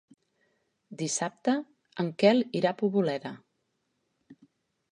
Dissabte en Quel irà a Poboleda.